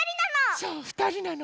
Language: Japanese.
そうふたりなの。